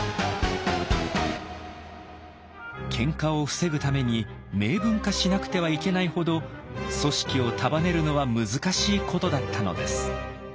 喧嘩を防ぐために明文化しなくてはいけないほど組織を束ねるのは難しいことだったのです。